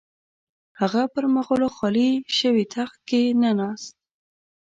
هغه پر مغولو خالي شوي تخت کښې نه ناست.